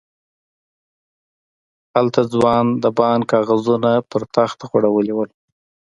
هلته ځوان د بانک کاغذونه په تخت غړولي وو.